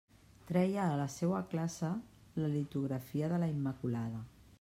Treia a la seua classe la litografia de la Immaculada.